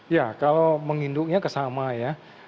ya kalau menginduknya kesama ya